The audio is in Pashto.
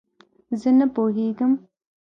زۀ نۀ پوهېږم.